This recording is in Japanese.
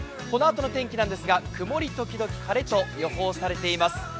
このあとの天気なんですが曇り時々晴れと予報されています。